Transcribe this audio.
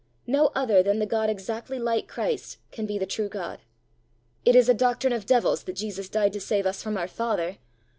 No other than the God exactly like Christ can be the true God. It is a doctrine of devils that Jesus died to save us from our father.